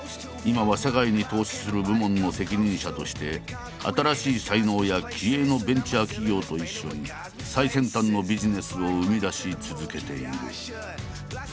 今は社外に投資する部門の責任者として新しい才能や気鋭のベンチャー企業と一緒に最先端のビジネスを生み出し続けている。